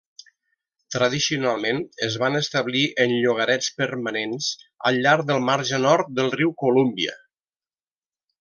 Tradicionalment es van establir en llogarets permanents al llarg del marge nord del riu Columbia.